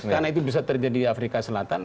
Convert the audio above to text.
karena itu bisa terjadi di afrika selatan